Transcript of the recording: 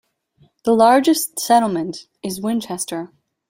The largest settlement is Winchester.